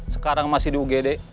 sekarang masih di ugd